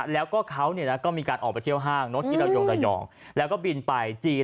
แล้วก็เขาก็มีการออกไปเที่ยวห้างที่เรายงระยองแล้วก็บินไปจีน